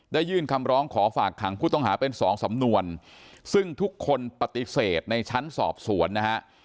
ยื่นคำร้องขอฝากขังผู้ต้องหาเป็นสองสำนวนซึ่งทุกคนปฏิเสธในชั้นสอบสวนนะฮะ